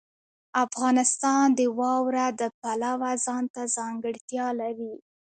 افغانستان د واوره د پلوه ځانته ځانګړتیا لري.